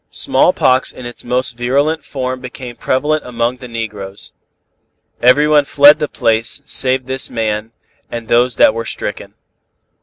Smallpox in its most virulent form became prevalent among the negroes. Everyone fled the place save this man, and those that were stricken.